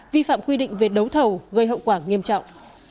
vi phạm quy định về đấu thầu gây hậu quả nghiêm trọng